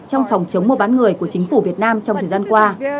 trong phòng chống mua bán người của chính phủ việt nam trong thời gian qua